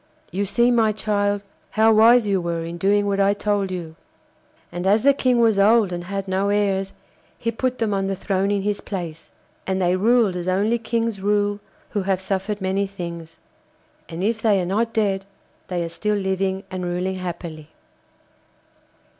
You see, my child, how wise you were in doing what I told you.' And as the King was old and had no heirs, he put them on the throne in his place. And they ruled as only kings rule who have suffered many things. And if they are not dead they are still living and ruling happily.